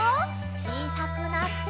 ちいさくなって。